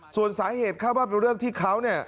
ส่วนสาเหตุข้าวบ้าเป็นเรื่องที่เขา